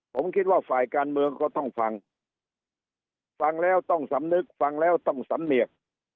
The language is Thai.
ผมคิดว่าฝ่ายการเมืองก็ต้องฟังฟังแล้วต้องสำนึกฟังแล้วต้องสำเนียก